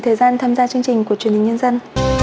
thời gian tham gia chương trình của truyền hình nhân dân